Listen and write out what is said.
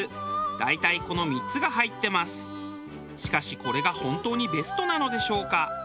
しかしこれが本当にベストなのでしょうか？